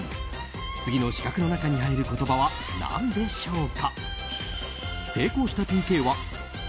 次の四角の中に入る言葉は何でしょうか。